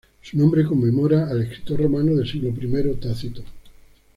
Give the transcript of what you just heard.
Su nombre conmemora al escritor romano del siglo I Tácito.